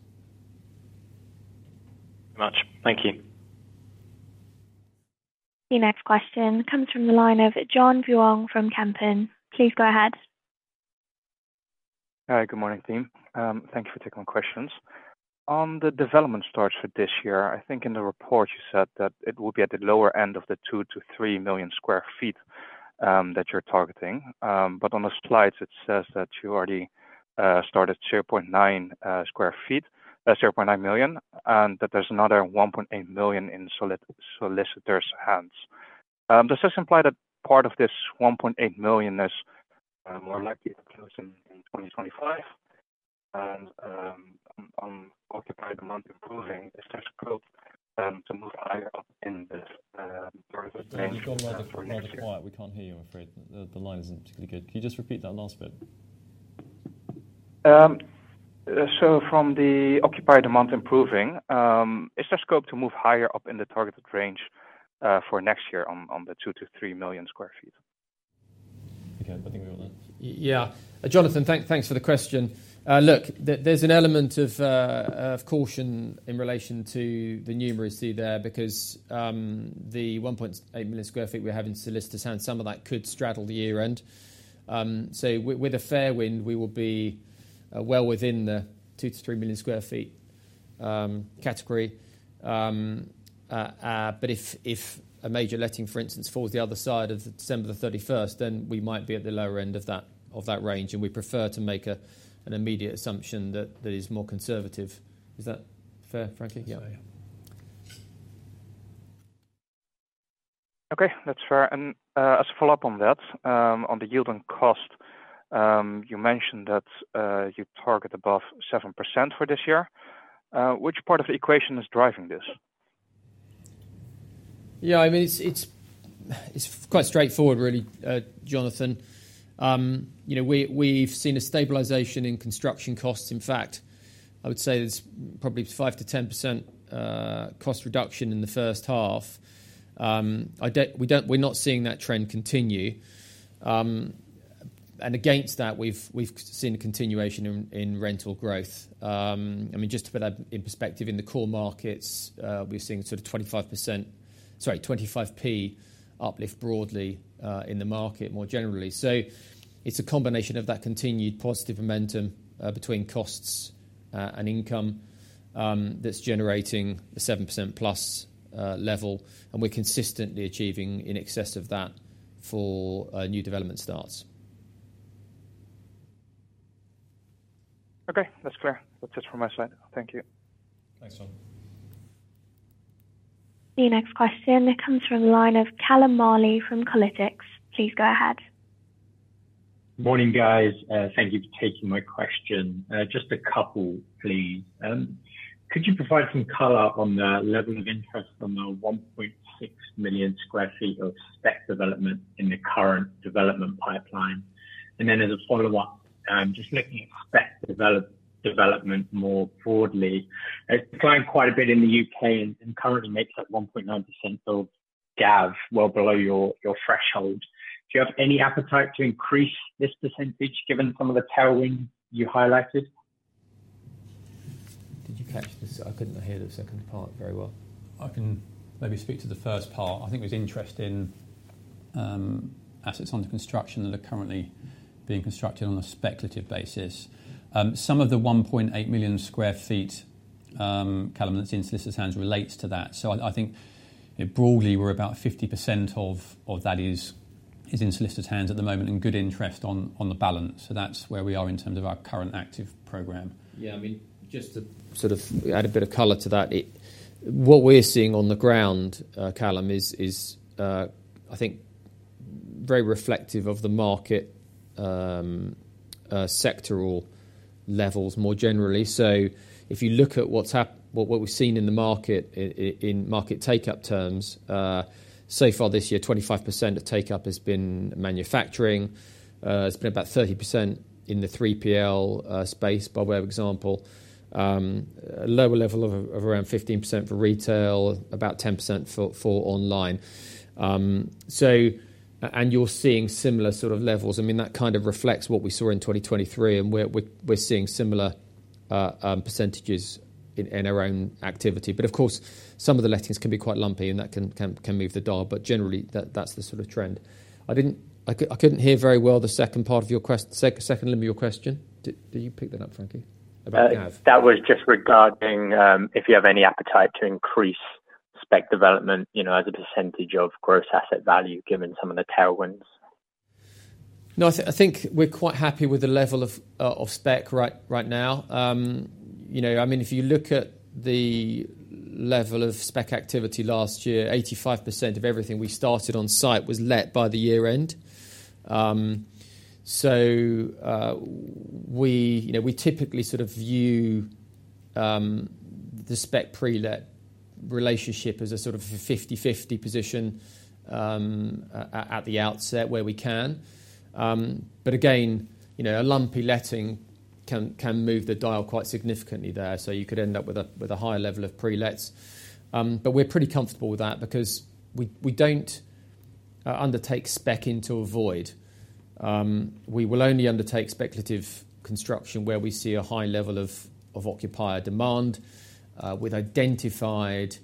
Thank you very much. Thank you. The next question comes from the line of John Vuong from Kempen. Please go ahead. Hi, good morning, team. Thank you for taking my questions. On the development starts for this year, I think in the report you said that it will be at the lower end of the 2 million sq ft-3 million sq ft that you're targeting. But on the slides, it says that you already started 0.9 million sq ft, and that there's another 1.8 million in solicitors' hands. Does this imply that part of this 1.8 million is more likely to close in 2025? And on occupied amount improving, is there scope then to move higher up in this? You've gone right at the right at the point. We can't hear you, I'm afraid. The line isn't particularly good. Can you just repeat that last bit? So from the occupied amount improving, is there scope to move higher up in the targeted range for next year on the 2 million sq ft-3 million sq ft? Okay, I think we're all done. Yeah, Jonathan, thanks, thanks for the question. Look, there's an element of, of caution in relation to the numeracy there because, the 1.8 million sq ft we have in solicitors' hands, some of that could straddle the year end. So with a fair wind, we will be, well within the 2 million sq ft-3 million sq ft, category. But if, if a major letting, for instance, falls the other side of the December 31st, then we might be at the lower end of that, of that range, and we prefer to make a, an immediate assumption that that is more conservative. Is that fair, Frankie? Yeah, yeah, yeah. Okay, that's fair. And, as a follow-up on that, on the yield and cost, you mentioned that, you target above 7% for this year. Which part of the equation is driving this? Yeah, I mean, it's quite straightforward, really, Jonathan. You know, we, we've seen a stabilization in construction costs. In fact, I would say there's probably 5%-10% cost reduction in the first half. We don't, we're not seeing that trend continue. And against that, we've seen a continuation in rental growth. I mean, just to put that in perspective, in the core markets, we're seeing sort of 25%, sorry, 25p uplift broadly, in the market more generally. So it's a combination of that continued positive momentum, between costs, and income, that's generating the 7%+ level, and we're consistently achieving in excess of that for new development starts. Okay, that's clear. That's just from my side. Thank you. Thanks, John. The next question, it comes from the line of Callum Marley from Kolytics. Please go ahead. Morning, guys. Thank you for taking my question. Just a couple, please. Could you provide some color on the level of interest on the 1.6 million sq ft of spec development in the current development pipeline? And then as a follow-up, I'm just looking at spec development more broadly. I find quite a bit in the UK and currently makes up 1.9% of GAV, well below your, your threshold. Do you have any appetite to increase this percentage given some of the tailwinds you highlighted? Did you catch the, so I couldn't hear the second part very well. I can maybe speak to the first part. I think there's interest in, assets under construction that are currently being constructed on a speculative basis. Some of the 1.8 million sq ft, Callum is in solicitors' hands relates to that. So I think broadly we're about 50% of that is in the Southeast at the moment and good interest on the balance. So that's where we are in terms of our current active program. Yeah, I mean, just to sort of add a bit of color to that, what we're seeing on the ground, Callum, is I think very reflective of the market, sectoral levels more generally. So if you look at what's happened, what we've seen in the market, in market takeup terms, so far this year, 25% of takeup has been manufacturing. It's been about 30% in the 3PL space by way of example, a lower level of around 15% for retail, about 10% for online. So, and you're seeing similar sort of levels. I mean, that kind of reflects what we saw in 2023 and we're seeing similar percentages in our own activity. But of course, some of the lettings can be quite lumpy and that can move the dial, but generally that's the sort of trend. I couldn't hear very well the second part of your question, second line of your question. Did you pick that up, Frankie? That was just regarding if you have any appetite to increase spec development, you know, as a percentage of gross asset value given some of the tailwinds. No, I think we're quite happy with the level of spec right now. You know, I mean, if you look at the level of spec activity last year, 85% of everything we started on site was let by the year end. We, you know, we typically sort of view the spec pre-let relationship as a sort of a 50/50 position at the outset where we can. But again, you know, a lumpy letting can move the dial quite significantly there. So you could end up with a higher level of pre-lets. But we're pretty comfortable with that because we don't undertake spec into a void. We will only undertake speculative construction where we see a high level of occupier demand with identified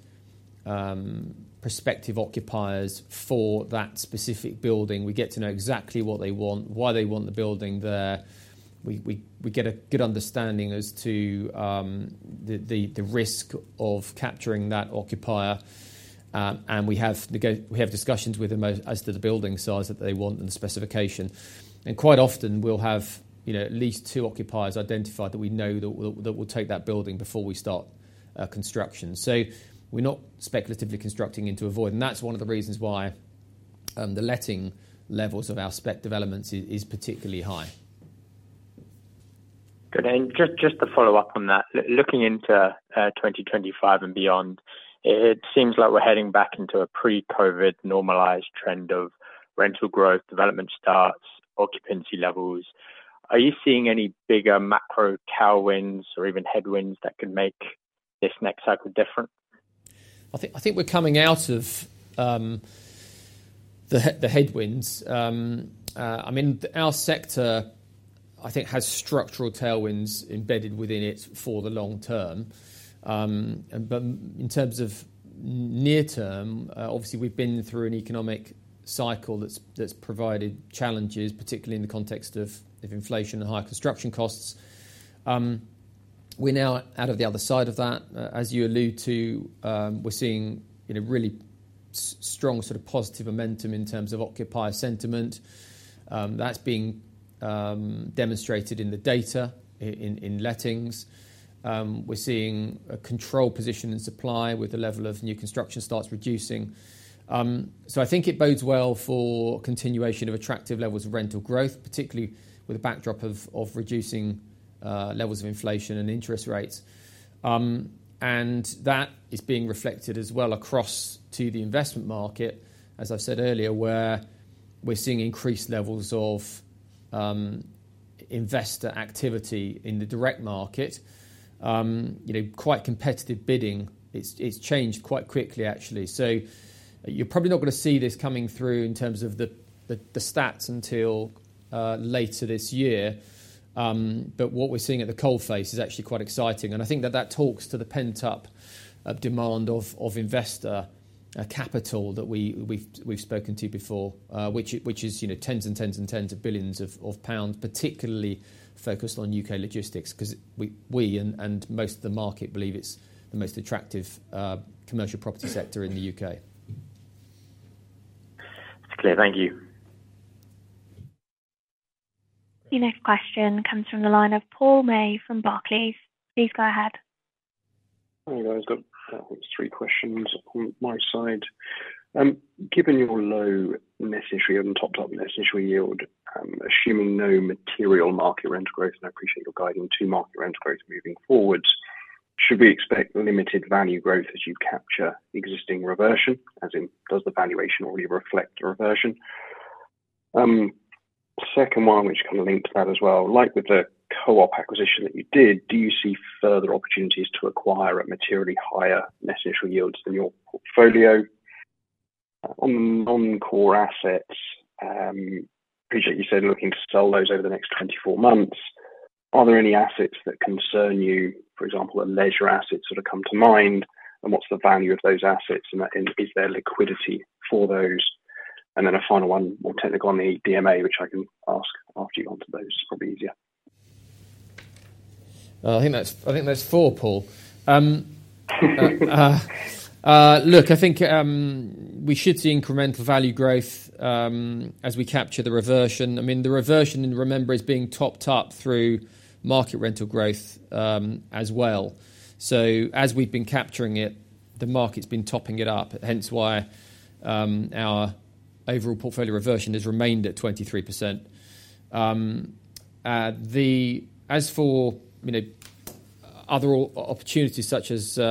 prospective occupiers for that specific building. We get to know exactly what they want, why they want the building there. We get a good understanding as to the risk of capturing that occupier. And we have discussions with them as to the building size that they want and the specification. And quite often we'll have, you know, at least two occupiers identified that we know that will, that will take that building before we start construction. So we're not speculatively constructing into a void. And that's one of the reasons why, the letting levels of our spec developments is, is particularly high. Good. And just, just to follow up on that, looking into 2025 and beyond, it seems like we're heading back into a pre-COVID normalized trend of rental growth, development starts, occupancy levels. Are you seeing any bigger macro tailwinds or even headwinds that could make this next cycle different? I think, I think we're coming out of, the, the headwinds. I mean, our sector, I think, has structural tailwinds embedded within it for the long term. But in terms of near term, obviously we've been through an economic cycle that's, that's provided challenges, particularly in the context of, of inflation and high construction costs. We're now out of the other side of that. As you allude to, we're seeing, you know, really strong sort of positive momentum in terms of occupier sentiment. That's being, demonstrated in the data in, in lettings. We're seeing a control position in supply with the level of new construction starts reducing. So I think it bodes well for continuation of attractive levels of rental growth, particularly with a backdrop of, of reducing, levels of inflation and interest rates. And that is being reflected as well across to the investment market, as I've said earlier, where we're seeing increased levels of, investor activity in the direct market. You know, quite competitive bidding. It's, it's changed quite quickly, actually. So you're probably not going to see this coming through in terms of the stats until later this year. But what we're seeing at the coalface is actually quite exciting. And I think that talks to the pent-up demand of investor capital that we've spoken to before, which is, you know, tens and tens and tens of pounds, particularly focused on U.K. logistics, because we and most of the market believe it's the most attractive commercial property sector in the U.K. That's clear. Thank you. The next question comes from the line of Paul May from Barclays. Please go ahead. Hi guys, I've got three questions on my side. Given your guidance on top-up yield, assuming no material market rental growth, and I appreciate your guidance to market rental growth moving forward, should we expect limited value growth as you capture existing reversion, as in does the valuation already reflect the reversion? Second one, which can link to that as well, like with the Co-op acquisition that you did, do you see further opportunities to acquire a materially higher yields than your portfolio on non-core assets? Appreciate you said looking to sell those over the next 24 months. Are there any assets that concern you, for example, a legacy asset sort of comes to mind? And what's the value of those assets? And what is their liquidity for those? And then a final one, more technical on the DMA, which I can ask after you've answered those would be easier. I think that's, I think that's four, Paul. Look, I think we should see incremental value growth, as we capture the reversion. I mean, the reversion, remember, is being topped up through market rental growth, as well. So as we've been capturing it, the market's been topping it up. Hence why our overall portfolio reversion has remained at 23%. The, as for, you know, other opportunities such as, you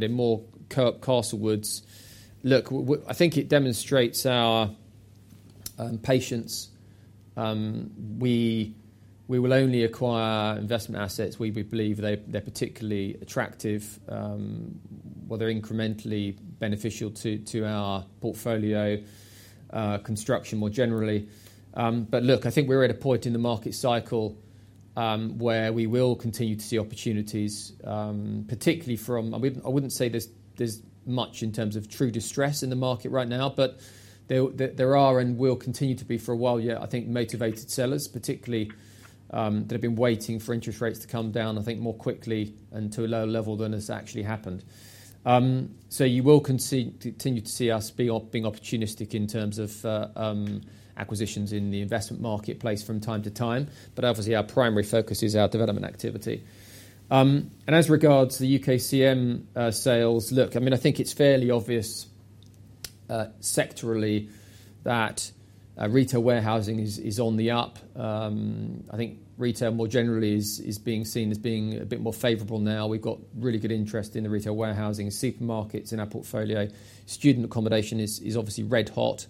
know, more Castle Doningtons, look, I think it demonstrates our patience. We will only acquire investment assets. We believe they're particularly attractive, whether incrementally beneficial to our portfolio construction more generally. But look, I think we're at a point in the market cycle, where we will continue to see opportunities, particularly from, I wouldn't say there's much in terms of true distress in the market right now, but there are and will continue to be for a while. Yeah, I think motivated sellers, particularly, that have been waiting for interest rates to come down, I think more quickly and to a lower level than has actually happened. So you will continue to see us being opportunistic in terms of acquisitions in the investment marketplace from time to time, but obviously our primary focus is our development activity. And as regards the UKCM sales, look, I mean, I think it's fairly obvious, sectorally that retail warehousing is on the up. I think retail more generally is being seen as being a bit more favorable now. We've got really good interest in the retail warehousing, supermarkets in our portfolio. Student accommodation is obviously red hot.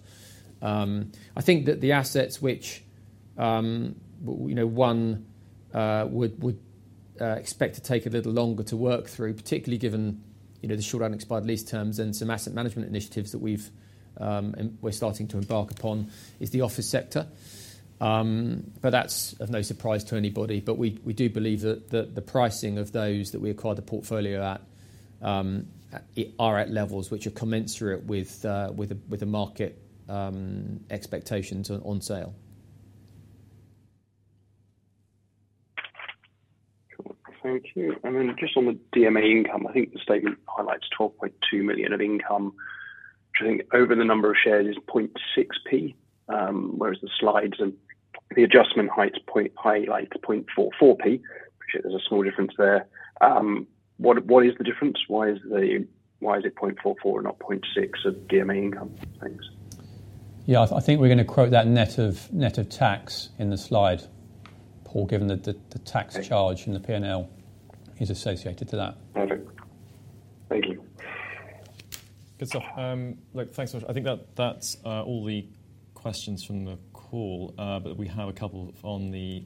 I think that the assets which, you know, one would expect to take a little longer to work through, particularly given, you know, the short unexpired lease terms and some asset management initiatives that we've and we're starting to embark upon is the office sector. But that's of no surprise to anybody. But we do believe that the pricing of those that we acquired the portfolio at are at levels which are commensurate with a market expectations on sale. Thank you. And then just on the DMA income, I think the statement highlights 12.2 million of income, which I think over the number of shares is 0.6p, whereas the slides and the adjustment highlights point highlights 0.44p. There's a small difference there. What, what is the difference? Why is the, why is it 0.44 and not 0.6 of DMA income? Yeah, I think we're going to quote that net of, net of tax in the slide, Paul, given that the, the tax charge in the P&L is associated to that. Perfect. Thank you. Good stuff. Look, thanks so much. I think that that's, all the questions from the call, but we have a couple on the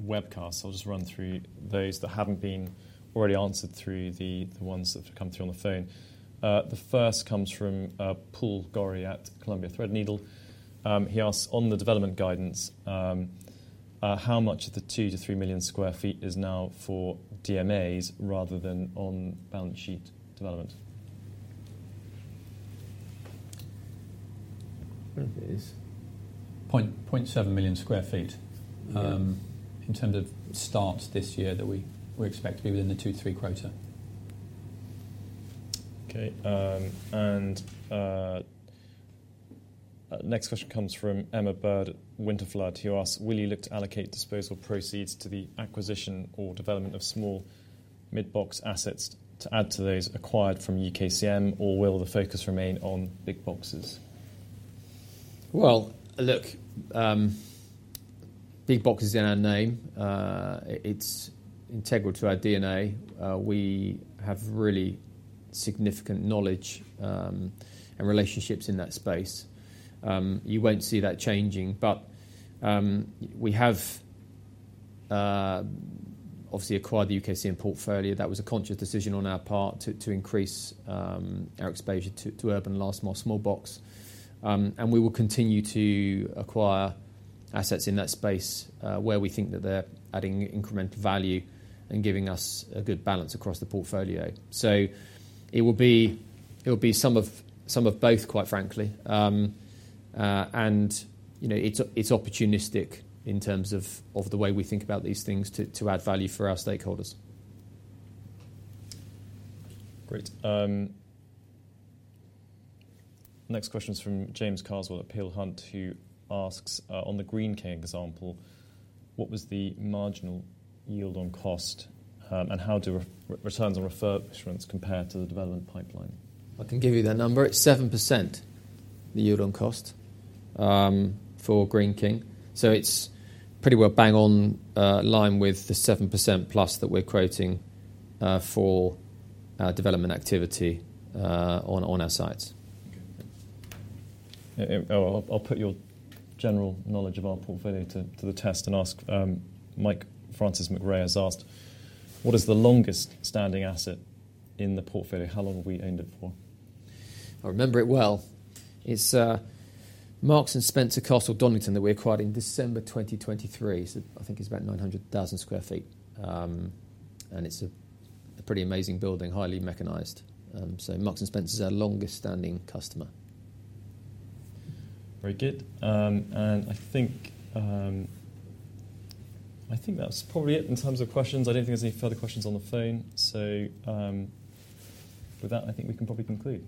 webcast. I'll just run through those that haven't been already answered through the, the ones that have come through on the phone. The first comes from Paul Gorrie at Columbia Threadneedle Investments. He asks on the development guidance, how much of the 2 million sq ft-3 million sq ft is now for DMAs rather than on balance sheet development? That is 0.7 million sq ft, in terms of start this year that we, we expect to be within the 2-3 quota. Okay. Next question comes from Emma Bird, Winterflood. You asked, will you look to allocate disposal proceeds to the acquisition or development of small mid-box assets to add to those acquired from UKCM, or will the focus remain on big boxes? Well, look, big box is in our name. It's integral to our DNA. We have really significant knowledge, and relationships in that space. You won't see that changing, but, we have, obviously acquired the UKCM portfolio. That was a conscious decision on our part to, to increase, our exposure to, to urban last mile small box. And we will continue to acquire assets in that space, where we think that they're adding incremental value and giving us a good balance across the portfolio. So it will be, it will be some of, some of both, quite frankly. And, you know, it's, it's opportunistic in terms of, of the way we think about these things to, to add value for our stakeholders. Great. Next question is from James Carswell at Peel Hunt, who asks, on the Greene King example, what was the marginal yield on cost, and how do returns on refurbishments compare to the development pipeline? I can give you that number. It's 7%, the yield on cost, for Greene King. So it's pretty well bang on, in line with the 7% plus that we're quoting, for, development activity, on, on our sites. Okay. I'll put your general knowledge of our portfolio to the test and ask, Mike Francis McRae has asked, what is the longest standing asset in the portfolio? How long have we owned it for? I remember it well. It's Marks and Spencer Castle Donington that we acquired in December 2023. So I think it's about 900,000 sq ft. It's a pretty amazing building, highly mechanized. Marks and Spencer is our longest standing customer. Very good. I think that's probably it in terms of questions. I don't think there's any further questions on the phone. With that, I think we can probably conclude.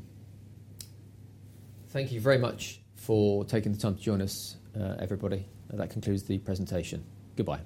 Thank you very much for taking the time to join us, everybody. That concludes the presentation. Goodbye.